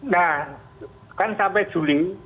nah kan sampai juli